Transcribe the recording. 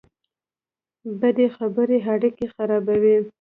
بدې خبرې اړیکې خرابوي